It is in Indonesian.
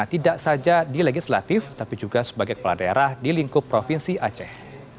tidak saja di legislatif tapi juga sebagai kepala daerah di lingkup provinsi aceh